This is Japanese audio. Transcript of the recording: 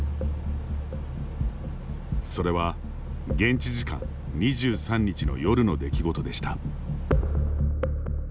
それは、現地時間２３日の夜の出来事でした。